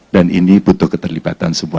dan nyaman untuk mengerjakan keadaan kita